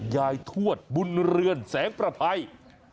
ยายทวดบุญเรื่องแสงประไพร